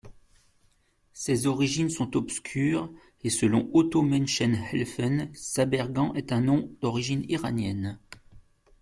Ses origines sont obscures et selon Otto Maenchen-Helfen, Zabergan est un nom d'origine iranienne.